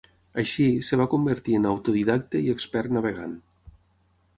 Així, es va convertir en autodidacte i expert navegant.